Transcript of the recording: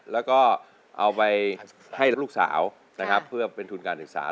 แล้วก็เอาไปให้ลูกสาวนะครับเพื่อเป็นทุนการศึกษา